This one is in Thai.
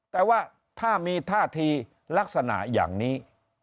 แต่ว่าถ้ามีท่าทีลักษณะอย่างนี้